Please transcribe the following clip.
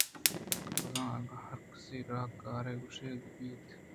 بزاں اگاں ہرکس ءَ را کارے ءِگوٛشگ بوت